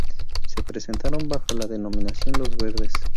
Se presentaron bajo la denominación Los Verdes.